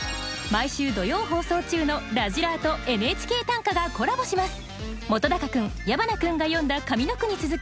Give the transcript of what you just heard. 毎週土曜放送中の「らじらー！」と「ＮＨＫ短歌」がコラボします。